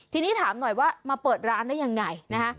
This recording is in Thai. ทีนี้ถามหน่อยว่ามาเปิดร้านได้ยังไงนะคะ